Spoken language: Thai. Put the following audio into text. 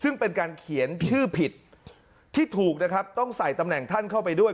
ซึ่งเป็นการเขียนชื่อผิดที่ถูกนะครับต้องใส่ตำแหน่งท่านเข้าไปด้วย